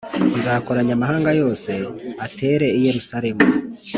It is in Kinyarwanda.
Nzakoranya amahanga yose atere i yerusalemu